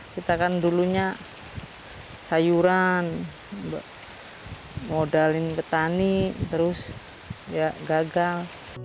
kita kan dulunya sayuran modalin petani terus ya gagal